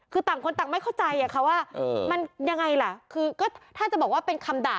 คือต่างคนต่างไม่เข้าใจอะค่ะว่ามันยังไงล่ะคือก็ถ้าจะบอกว่าเป็นคำด่า